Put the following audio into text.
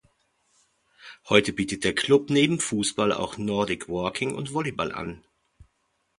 Heute bietet der Club neben Fußball auch Nordic-Walking und Volleyball an.